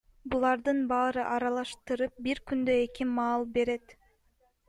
Булардын баарын аралаштырып, бир күндө эки маал берет.